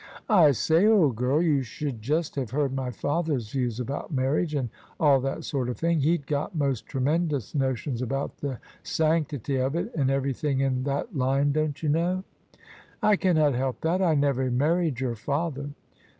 " I say, old girl, you should just have heard my father's views about marriage, and all that sort of thing! He'd got most tremendous notions about the sanctity of it, and every thing in that line, don't you know? "" I cannot help that. I never married your father."